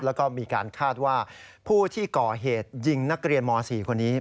แล้วก็มีการคาดว่าผู้ที่ก่อเหตุยิงนักเรียนม๔คนนี้